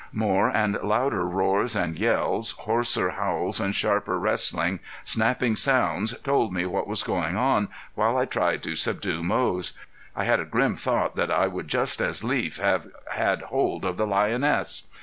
More and louder roars and yells, hoarser howls and sharper wrestling, snapping sounds told me what was going on while I tried to subdue Moze. I had a grim thought that I would just as lief have had hold of the lioness.